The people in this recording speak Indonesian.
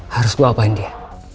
harus gue apain dia